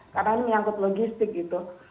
karena ini yang logistik gitu